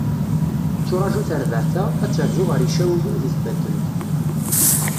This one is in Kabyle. Tetturaǧu terbaɛt-a, ad terzu ɣer Yicawiyen di Tbatent.